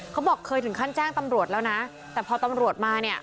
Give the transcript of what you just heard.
เขาบอกเคยถึงขั้นแจ้งตำรวจแล้วนะแต่พอตำรวจมาเนี่ย